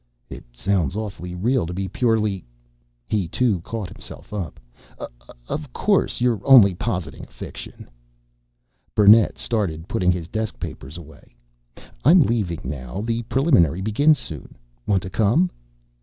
"It sounds awfully real to be purely " He, too, caught himself up. "Of course, you're only positing a fiction." Burnett started putting his desk papers away. "I'm leaving now. The Preliminary begins soon. Want to come?"